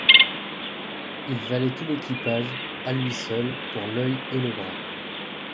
Il valait tout l’équipage, à lui seul, pour l’œil et le bras.